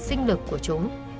sinh lực của chúng